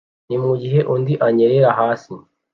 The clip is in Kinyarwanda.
mugihe undi anyerera hasi